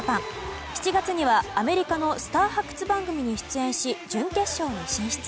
７月には、アメリカのスター発掘番組に出演し準決勝に進出。